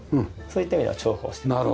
そういった意味では重宝してます。